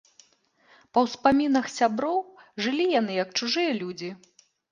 Па ўспамінах сяброў, жылі яны як чужыя людзі.